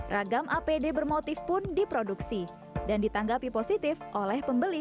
ragam apd bermotif pun diproduksi dan ditanggapi positif oleh pembeli